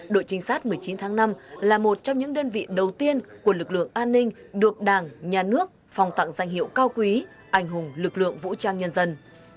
đội trinh sát một mươi chín tháng năm là một trong những đơn vị đầu tiên của lực lượng an ninh được đảng nhà nước phòng tặng danh hiệu cao quý ảnh hùng lực lượng vũ trang nhân dân